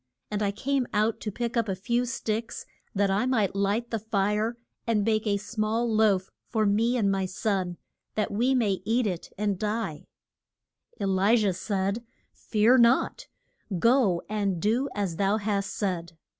And I came out to pick up a few sticks that I might light the fire, and bake a small loaf for me and my son, that we may eat it and die. [Illustration: E LI JAH AND THE WID OW's CHILD.] E li jah said, Fear not; go and do as thou hast said.